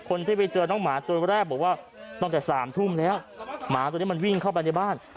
คนที่ไปเจอน้องหมาตัวแรกบอกว่าตั้งแต่สามทุ่มแล้วหมาตัวนี้มันวิ่งเข้าไปในบ้าน